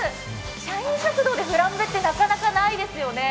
社員食堂でフランベってなかなかないですよね。